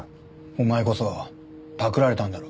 お前こそパクられたんだろ？